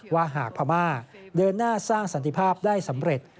ว่าหากพม่าเดินหน้าสร้างสันติภาพได้สำเร็จ